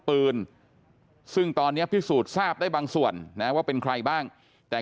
ปืนซึ่งตอนนี้พิสูจน์ทราบได้บางส่วนนะว่าเป็นใครบ้างแต่